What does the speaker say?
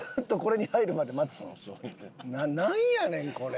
なんやねんこれ。